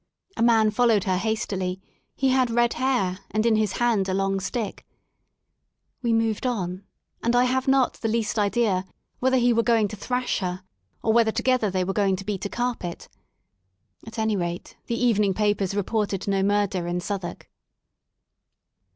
A man followed her hastily, he had red hair, and in his hand a long stick. We moved on, and I have not the least idea whether he were going to thrash her, or whether together they were going to beat a carpet. At any rate, the evening papers reported no murder in South wark.